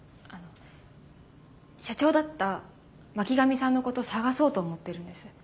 社長だった巻上さんのこと捜そうと思ってるんです。